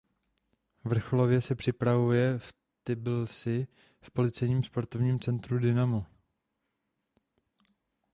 Vrcholově se připravuje v Tbilisi v policejním sportovním centru Dinamo.